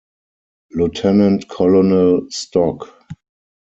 Lieutenant Colonel stock.